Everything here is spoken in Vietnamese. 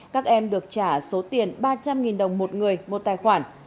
các em được trả số tiền ba trăm linh đồng một người một tài khoản